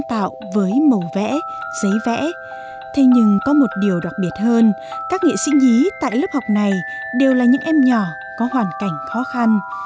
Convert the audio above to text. thế nhưng có một điều đặc biệt hơn các nghệ sĩ nhí tại lớp học này đều là những em nhỏ có hoàn cảnh khó khăn